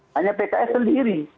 hanya pks sendiri